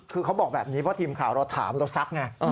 คือเขาบอกแบบนี้เพราะทีมข่าวเราถามเราซักไง